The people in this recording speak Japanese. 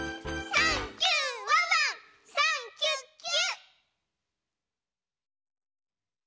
「サンキュ！ワンワンサンキュッキュ！」